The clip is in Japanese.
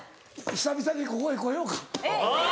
久々にここへ来ようか。